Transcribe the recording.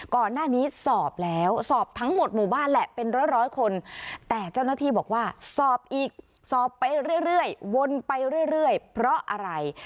ก่อนหน้านี้สอบแล้วสอบทั้งหมดหมู่บ้านแหละเป็นร้อยคนแต่เจ้าหน้าที่บอกว่าสอบอีกสอบไปเรื่อยวนไปเรื่อยเพราะอะไร